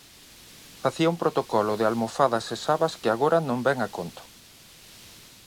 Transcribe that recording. Facía un protocolo de almofadas e sabas que agora non ven a conto.